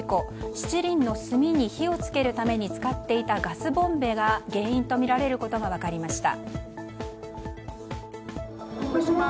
七輪の炭に火を付けるために使っていたガスボンベが原因とみられることが分かりました。